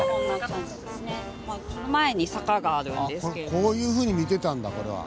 こういうふうに見てたんだこれは。